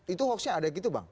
itu hoaxnya ada gitu bang